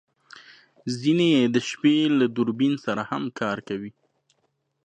ځینې یې د شپې له دوربین سره هم کار کوي